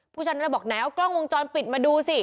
ผู้ชายนั้นเลยบอกไหนเอากล้องวงจรปิดมาดูสิ